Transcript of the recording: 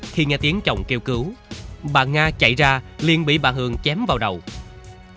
khi nghe tiếng chồng kêu cứu bà nga chạy ra liền bị bà hường chém vào đường